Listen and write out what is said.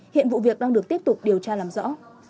hiện vụ việc đang được tiếp tục điều tra làm rõ